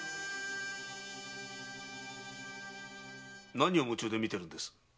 何を夢中で見てるんです？